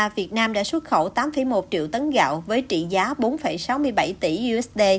việt nam đã xuất khẩu tám một triệu tấn gạo với trị giá bốn sáu mươi bảy tỷ usd